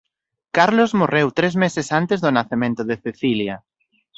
Carlos morreu tres meses antes do nacemento de Cecília.